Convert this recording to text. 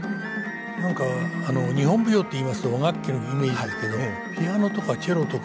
なんか日本舞踊っていいますと和楽器のイメージですけどもピアノとかチェロとかも相性がいいんですね。